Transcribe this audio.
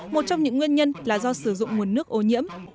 một trong những nguyên nhân là do sử dụng nguồn nước ô nhiễm